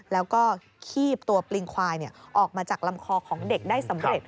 แล้วก็คีบตัวปลิงควายออกมาจากลำคอของเด็กได้สำเร็จ